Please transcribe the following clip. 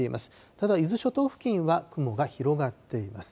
ただ、伊豆諸島付近は雲が広がっています。